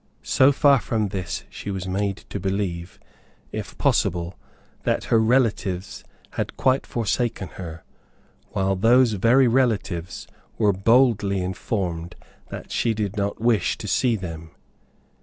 So far from this, she was made to believe, if possible, that her relatives had quite forsaken her, while these very relatives were boldly informed that she did not wish to see them.